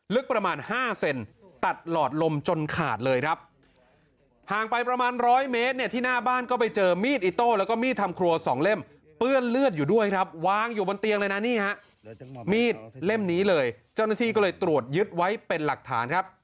ลึกประมาณ๕เซนตัดหลอดลมจนขาดเลยครับห่างไปประมาณร้อยเมตรเนี่ยที่หน้าบ้านก็ไปเจอมีดอิโต้แล้วก็มีดทำครัว๒เล่มเปื้อนเลือดอยู่ด้วยครับวางอยู่บนเตียงเลยนะนี่ฮะมีดเล่มนี้เลยเจ้าหน้าที่ก็เลยตรวจยึดไว้เป็นหลักฐานครับ